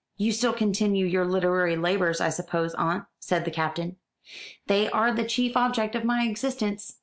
"You still continue your literary labours, I suppose, aunt," said the Captain. "They are the chief object of my existence.